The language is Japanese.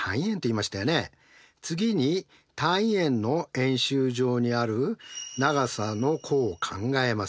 次に単位円の円周上にある長さの弧を考えます。